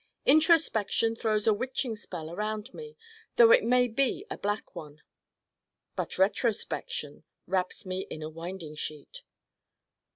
Introspection throws a witching spell around me, though it may be a black one. But retrospection wraps me in a Winding Sheet.